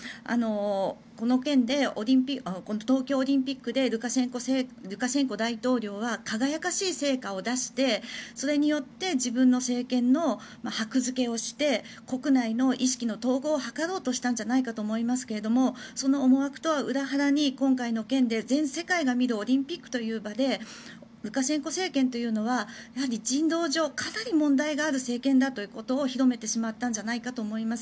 この件で、東京オリンピックでルカシェンコ大統領は輝かしい成果を出してそれによって自分の政権のはくづけをして国内の意識の統合を図ろうとしたんじゃないかと思いますが、その思惑とは裏腹に今回の件で全世界が見るオリンピックという場でルカシェンコ政権というのはやはり人道上かなり問題がある政権だということを広めてしまったんじゃないかと思います。